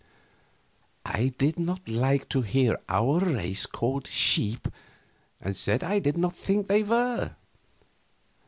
I did not like to hear our race called sheep, and said I did not think they were.